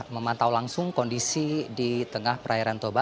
memantau langsung kondisi di tengah perairan toba